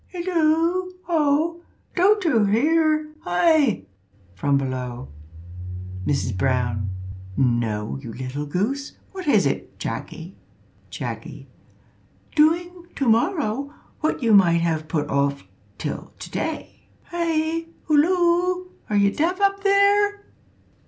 ("Halloo! ho! don't you hear? hi!" from below.) Mrs Brown. "No, you little goose! What is it, Jacky?" Jacky. "Doing to morrow what you might have put off till to day." ("Hi! halloo! are you deaf up there?")